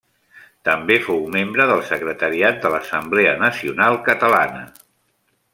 També fou membre del secretariat de l'Assemblea Nacional Catalana.